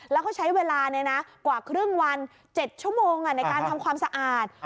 แล้วก็ใช้เวลากว่าครึ่งวัน๗ชั่วโมงในการทำความสะอาด